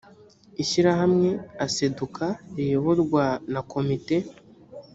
ishyirahamwe aseduka riyoborwa na komite